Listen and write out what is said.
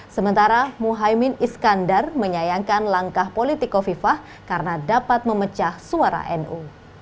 sementara muhaymin iskandar menyayangkan langkah politik kofifah karena dapat memecah suara nu